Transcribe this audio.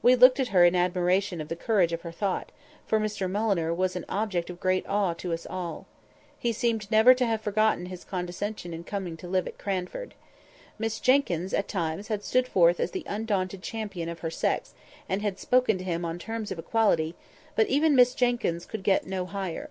We looked at her in admiration of the courage of her thought; for Mr Mulliner was an object of great awe to all of us. He seemed never to have forgotten his condescension in coming to live at Cranford. Miss Jenkyns, at times, had stood forth as the undaunted champion of her sex, and spoken to him on terms of equality; but even Miss Jenkyns could get no higher.